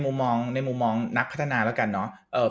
ในมุมมองนักพัฒนาแล้วกันเนาะ